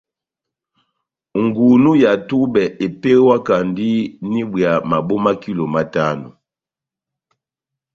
Ngunú ya tubɛ epewakandi n'ibwea mabo ma kilo matano.